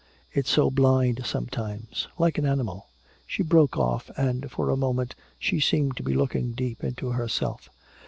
It's so blind sometimes, like an animal!" She broke off, and for a moment she seemed to be looking deep into herself.